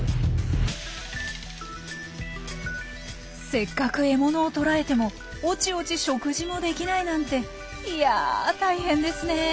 せっかく獲物を捕らえてもおちおち食事もできないなんていや大変ですねえ。